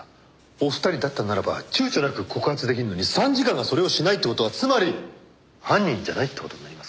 お二人だったならば躊躇なく告発出来るのに参事官がそれをしないって事はつまり犯人じゃないって事になりますからね。